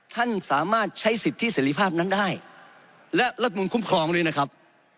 ท่านสามารถใช้สิทธิเสรีภาพนั้นได้และรัฐมนุนคุ้มครองด้วยนะครับ